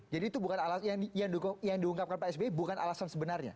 jadi itu bukan alasan yang diungkapkan pak sbi bukan alasan sebenarnya